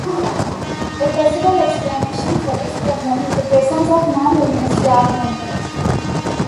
A possible explanation for this problem is the presence of non-luminous dark matter.